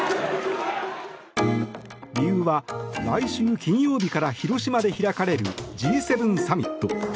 理由は、来週金曜日から広島で開かれるＧ７サミット。